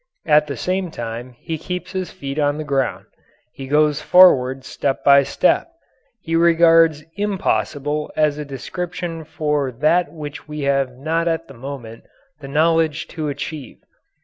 At the same time he keeps his feet on the ground. He goes forward step by step. He regards "impossible" as a description for that which we have not at the moment the knowledge to achieve.